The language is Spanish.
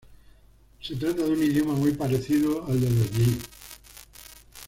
Se trata de un idioma muy parecido al de los yi.